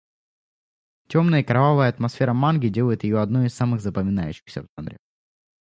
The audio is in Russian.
Темная и кровавая атмосфера манги делает ее одной из самых запоминающихся в жанре.